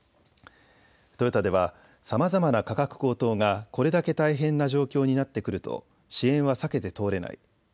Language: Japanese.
トヨタではさまざまな価格高騰がこれだけ大変な状況になってくると支援は避けて通れない。